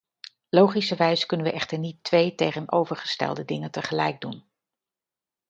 Logischerwijs kunnen we echter niet twee tegenovergestelde dingen tegelijk doen.